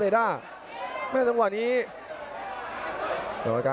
ส่วนหน้านั้นอยู่ที่เลด้านะครับ